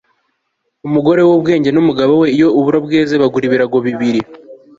umugore w'ubwenge n'umugabo we iyo uburo bweze bagura ibirago bibiri